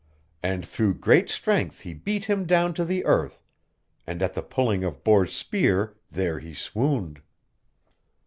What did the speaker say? And through great strength he beat him down to the earth, and at the pulling of Bors' spear there he swooned.